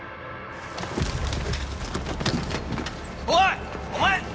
おい！